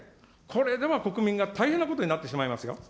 これでは国民が大変なことになってしまいますよ。